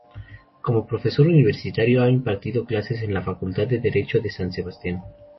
Como profesor universitario ha impartido clases en la Facultad de Derecho de San Sebastián.